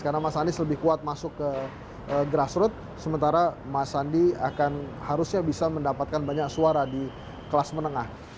karena mas anies lebih kuat masuk ke grassroot sementara mas sandi akan harusnya bisa mendapatkan banyak suara di kelas menengah